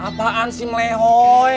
apaan sih melehoi